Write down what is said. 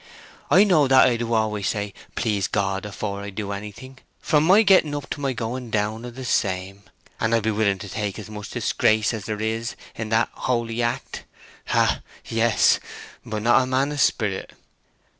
I know that I always do say 'Please God' afore I do anything, from my getting up to my going down of the same, and I be willing to take as much disgrace as there is in that holy act. Hah, yes!... But not a man of spirit?